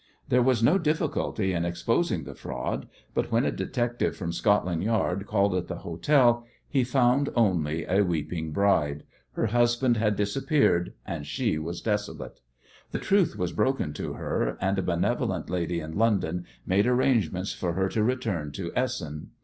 There was no difficulty in exposing the fraud, but when a detective from Scotland Yard called at the hotel he found only a weeping bride. Her husband had disappeared, and she was desolate. The truth was broken to her, and a benevolent lady in London made arrangements for her to return to Essen.